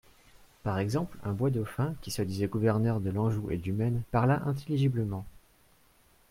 Par exemple, un Boisdauphin, qui se disait gouverneur de l'Anjou et du Maine, parla intelligiblement.